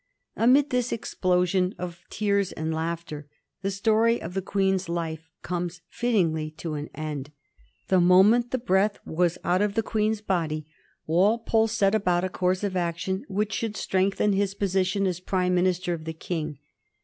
Amid this explosion of tears and laughter the story of the Queen^s life comes fittingly to an end. The moment the breath was out of the Queen's body^ 1737. WALPOLE STRENGTHENS HIS TOSITION. 125 ' Walpole set about a coarse of action which should strengthen his position as Prime minister of the King.